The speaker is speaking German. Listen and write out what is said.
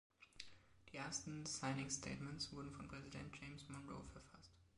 Die ersten "Signing Statements" wurden von Präsident James Monroe verfasst.